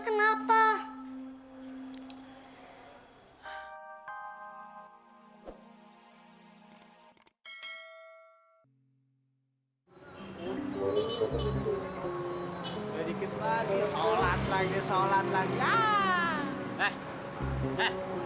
iya lu gak percaya loh